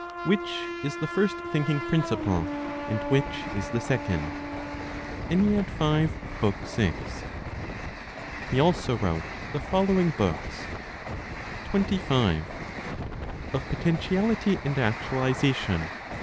Which is the First Thinking Principle? And Which is the Second? v. 6. He also wrote the following books: 25. Of Potentiality and Actualization.